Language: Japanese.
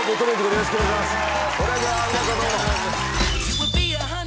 よろしくお願いします